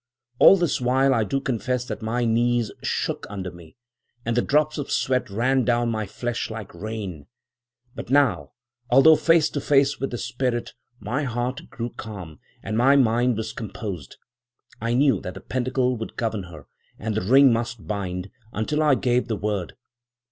All this while I do confess that my knees shook under me, and the drops of sweat ran down my flesh like rain. But now, although face to face with the spirit, my heart grew calm, and my mind was composed. I knew that the pentacle would govern her, and the ring must bind, until I gave the word.